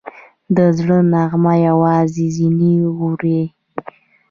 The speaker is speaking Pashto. د زړه نغمه یوازې ځینې اوري